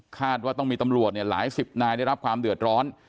ว่าต้องมีตำรวจหลายสิบนายได้รับความเดือดร้อน